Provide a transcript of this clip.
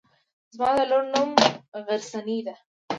زما د لور نوم غرڅنۍ دی.